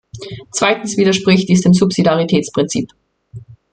Zweitens widerspricht dies dem Subsidiaritätsprinzip.